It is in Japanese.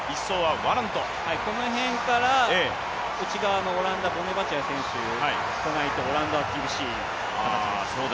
この辺から内側のオランダ、ボネバチア選手がこないとオランダは厳しい形です。